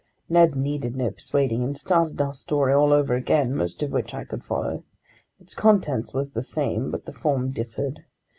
Ned needed no persuading and started our story all over again, most of which I could follow. Its content was the same, but the form differed.